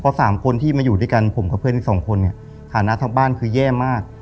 เพราะสามคนที่มาอยู่ด้วยกันผมกับเพื่อนอีกสองคนเนี่ยฐานะทางบ้านคือแย่มาก